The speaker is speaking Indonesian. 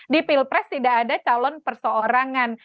di pilpres tidak ada calon perseorangan